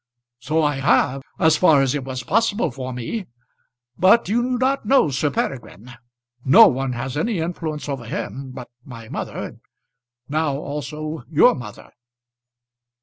"So I have as far as it was possible for me. But you do not know Sir Peregrine. No one has any influence over him, but my mother; and now also your mother."